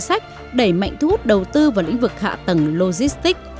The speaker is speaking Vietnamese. sách đẩy mạnh thu hút đầu tư vào lĩnh vực hạ tầng logistics